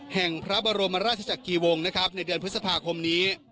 แห่งพระบรมราชจักรีวงศ์นะครับในเดือนพฤษภาคมนี้